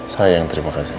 saya yang terima kasih